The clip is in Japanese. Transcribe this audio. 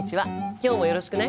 今日もよろしくね。